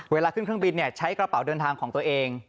เวลาขึ้นเครื่องบินใช้กระเป๋าเดินทางของตัวเอง